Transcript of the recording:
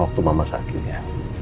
waktu mama sakitnya